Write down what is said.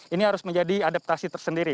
ini harus menjadi adaptasi tersendiri